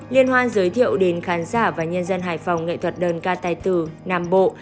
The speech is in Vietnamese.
liên hoan giới thiệu đến khán giả và nhân dân hải phòng nghệ thuật đơn ca tài tử nam bộ